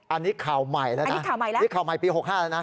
อันนี้ข่าวใหม่แล้วนะอันนี้ข่าวใหม่ปี๖๕แล้วนะ